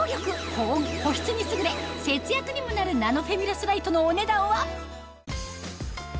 保温保湿に優れ節約にもなるナノフェミラスライトのお値段はお！